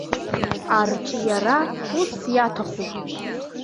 Арҿиара ус иаҭахуп.